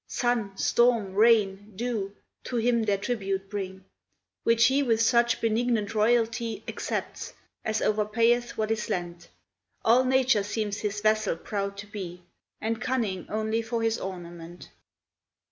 Sun, storm, rain, dew, to him their tribute bring, Which he with such benignant royalty Accepts, as overpayeth what is lent; All nature seems his vassal proud to be, And cunning only for his ornament.